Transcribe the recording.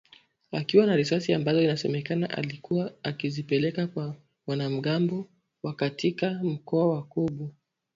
akiwa na risasi ambazo inasemekana alikuwa akizipeleka kwa wanamgambo wa katika mkoa wa Kobu